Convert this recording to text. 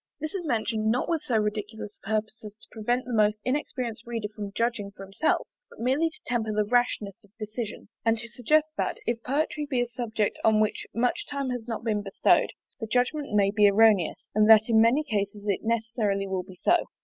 This is mentioned not with so ridiculous a purpose as to prevent the most inexperienced reader from judging for himself; but merely to temper the rashness of decision, and to suggest that if poetry be a subject on which much time has not been bestowed, the judgment may be erroneous, and that in many cases it necessarily will be so.